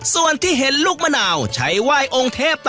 ส่วนที่เห็นลูกมะนาวใช้ไหว้องค์เทพ